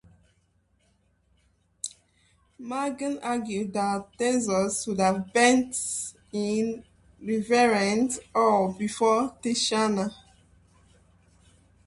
Maginn argued that Theseus would have bent in reverent awe before Titania.